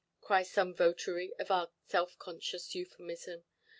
cries some votary of our self–conscious euphemism.